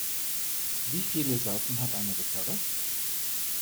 Wie viele Saiten hat eine Gitarre?